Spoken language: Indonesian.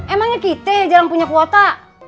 emangnya kita jarang punya kuota